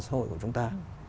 xã hội của chúng ta